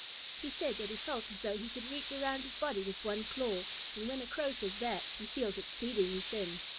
He said that he felt as though he could reach around his body with one claw, and when a Crow says that he feels exceedingly thin.